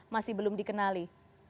masih belum dikenali